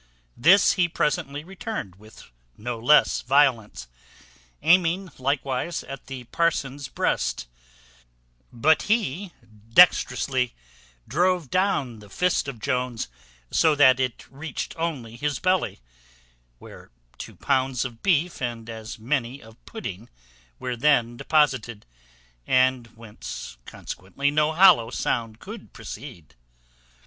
This he presently returned with no less violence, aiming likewise at the parson's breast; but he dexterously drove down the fist of Jones, so that it reached only his belly, where two pounds of beef and as many of pudding were then deposited, and whence consequently no hollow sound could proceed.